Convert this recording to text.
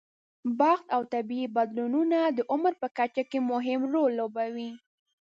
بخت او طبیعي بدلونونه د عمر په کچه کې مهم رول لوبوي.